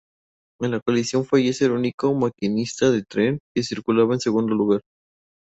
En la colisión fallece el único maquinista de tren que circulaba en segundo lugar.